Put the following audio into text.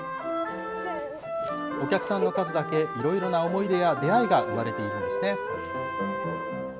お客さんの数だけいろいろな思い出や出会いが生まれているんですね。